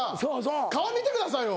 顔見てくださいよ。